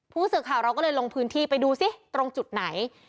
ผู้สื่อข่าวเราก็เลยลงพื้นที่ไปดูสิตรงจุดไหน